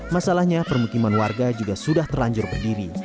masalahnya permukiman warga juga sudah terlanjur berdiri